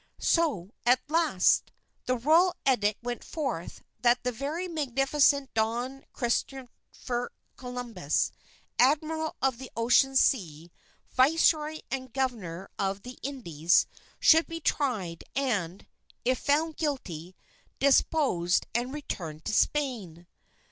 So at last, the royal edict went forth that the very magnificent Don Christopher Columbus, Admiral of the Ocean Sea, Viceroy and Governor of the Indies, should be tried and, if found guilty, deposed and returned to Spain.